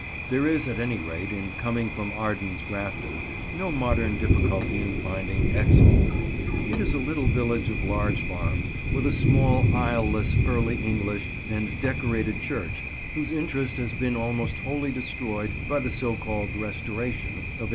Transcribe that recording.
There is, at any rate, in coming from Ardens Grafton, no modern difficulty in finding Exhall. It is a little village of large farms, with a small aisle less Early English and Decorated church whose interest has been almost wholly destroyed by the so called "restoration" of 1863.